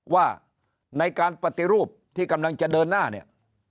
ว่าในการปฏิรูปที่กำลังจะเดินหน้าเนี่ย